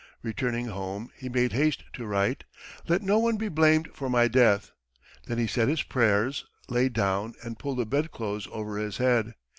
Returning home he made haste to write: "Let no one be blamed for my death," then he said his prayers, lay down and pulled the bedclothes over his head.